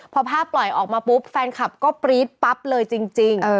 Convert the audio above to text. พอภาพปล่อยออกมาปุ๊บแฟนคลับก็ปรี๊ดปั๊บเลยจริง